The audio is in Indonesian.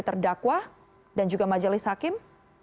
terdakwa dan juga majelis hakim